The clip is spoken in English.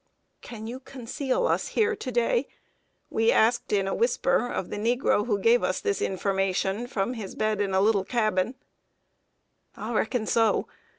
"Can you conceal us here to day?" we asked in a whisper of the negro who gave us this information from his bed, in a little cabin. "I reckon so.